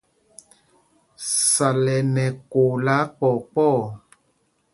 Sal ɛ nɛ ɛkoo lɛ́ akpɔɔ kpɔɔ.